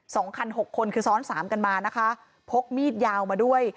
สองคันหกคนคือซ้อนสามกันมานะคะพกมีดยาวมาด้วย